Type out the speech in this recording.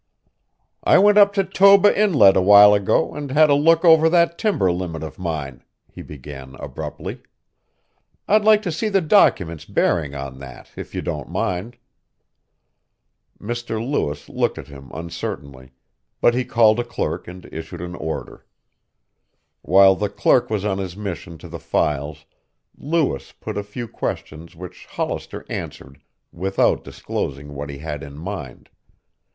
"I went up to Toba Inlet awhile ago and had a look over that timber limit of mine," he began abruptly. "I'd like to see the documents bearing on that, if you don't mind." Mr. Lewis looked at him uncertainly, but he called a clerk and issued an order. While the clerk was on his mission to the files Lewis put a few questions which Hollister answered without disclosing what he had in mind.